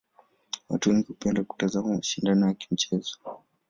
Watu wengi hupenda kutazama mashindano ya michezo.